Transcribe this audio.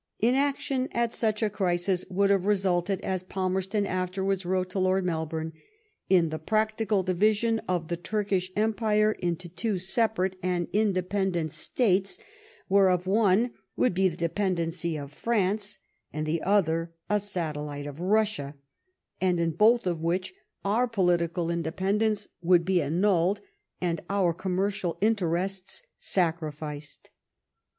Inaction at such a crisis would have resulted^ as Palmerston afterwards wrote to Lord Melbourne, in the practical division of the Turkish empire into two separate and independent States, whereof one would be the dependency of France^ and the other a satellite of Bussia ; and in both of which our political independence would be annulled and our commercial interests sacri ficed."